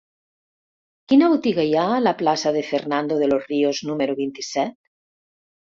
Quina botiga hi ha a la plaça de Fernando de los Ríos número vint-i-set?